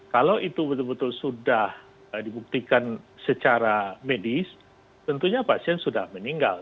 kalau itu betul betul sudah dibuktikan secara medis tentunya pasien sudah meninggal